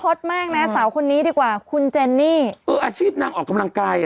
ตมากนะสาวคนนี้ดีกว่าคุณเจนนี่เอออาชีพนางออกกำลังกายอ่ะ